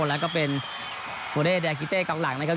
แล้วก็เป็นฟูเลส์แดรกิเต้กล้องหลังนะครับ